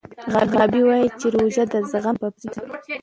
غابي وايي چې روژه د زغم سبب ګرځي.